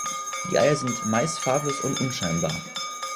Die Eier sind meist farblos und unscheinbar.